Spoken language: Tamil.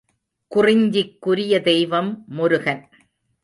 குறிஞ்சிக்குரிய தெய்வம் முருகன்.